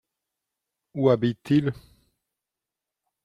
Où habitent-ils ?